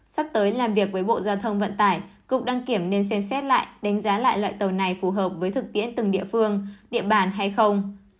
sắp tới làm việc với bộ giao thông vận tải cục đăng kiểm nên xem xét lại đánh giá lại loại tàu này phù hợp với thực tiễn từng địa phương địa bàn hay không